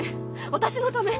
私のため？